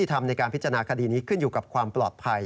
ทำในการพิจารณาคดีนี้ขึ้นอยู่กับความปลอดภัย